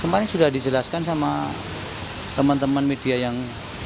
kemarin sudah dijelaskan sama teman teman media yang